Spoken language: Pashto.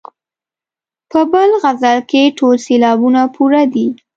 په بل غزل کې ټول سېلابونه پوره دي.